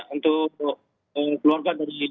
untuk keluarga dari tantan ini